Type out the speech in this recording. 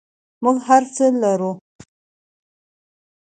موږ هر څه لرو